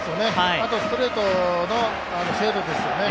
あとストレートの精度ですよね。